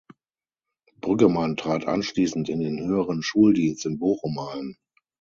Brüggemann trat anschließend in den Höheren Schuldienst in Bochum ein.